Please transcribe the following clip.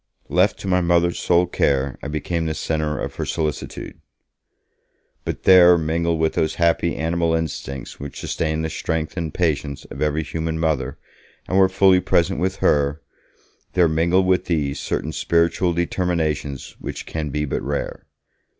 Left to my Mother's sole care, I became the centre of her solicitude. But there mingled with those happy animal instincts which sustain the strength and patience of every human mother and were fully present with her there mingled with these certain spiritual determinations which can be but rare.